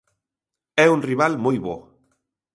É un rival moi bo.